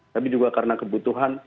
tapi juga karena kebutuhan